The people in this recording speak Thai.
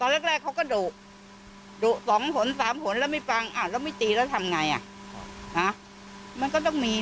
แล้วใครมันไม่รักลูกอย่างงั้นจะเอาลูกมาเลี้ยงได้ยังไง